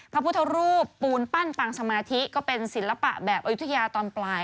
พระพุทธรูปปูนปั้นปังสมาธิก็เป็นศิลปะแบบอายุทยาตอนปลาย